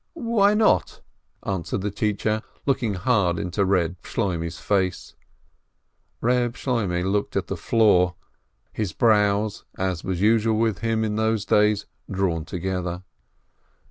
"Why not?" answered the teacher, looking hard into Eeb Shloimeh's face. Reb Shloimeh looked at the floor, his brows, as was usual with him in those days, drawn together.